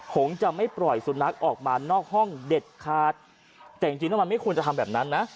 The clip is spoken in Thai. คงจะไม่ปล่อยสุนัขออกมานอกห้องเด็ดขาดแต่จริงจริงแล้วมันไม่ควรจะทำแบบนั้นนะ